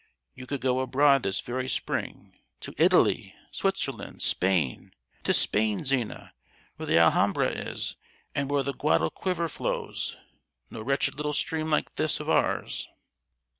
You could go abroad this very spring, to Italy, Switzerland, Spain!—to Spain, Zina, where the Alhambra is, and where the Guadalquiver flows—no wretched little stream like this of ours!"